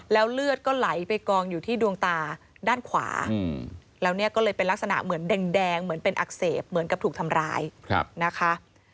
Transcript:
แล้วเลือดก็ไหลไปกองอยู่ที่ดวงตาด้านขวาแล้วเนี่ยก็เลยเป็นลักษณะเหมือนแดงเหมือนเป็นอักเสบเหมือนกับถูกทำร้ายนะคะ